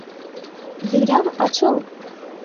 ভীরা, আছো?